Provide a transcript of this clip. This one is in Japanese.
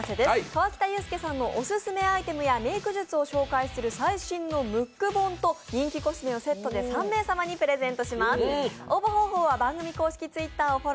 河北裕介さんのオススメアイテムやメイク術を紹介する最新のムック本と人気コスメをセットで３名様にプレゼントします。